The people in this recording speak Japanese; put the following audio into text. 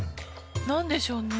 なんでしょうね？